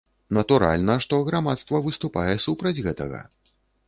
Натуральна, што грамадства выступае супраць гэтага.